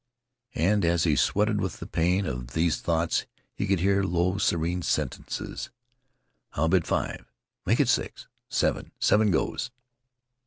And as he sweated with the pain of these thoughts, he could hear low, serene sentences. "I'll bid five." "Make it six." "Seven." "Seven goes."